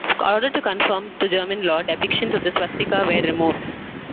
In order to conform to German law, depictions of the swastika were removed.